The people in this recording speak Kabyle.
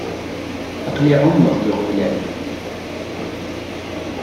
Aql-i εummeɣ deg iɣeblan.